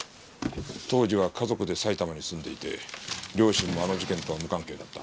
当時は家族で埼玉に住んでいて両親もあの事件とは無関係だった。